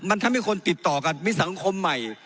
มันทำให้คนติดต่อกันมีสังคมใหม่